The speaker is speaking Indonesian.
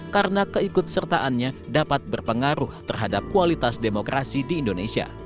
karena keikut sertaannya dapat berpengaruh terhadap kualitas demokrasi di indonesia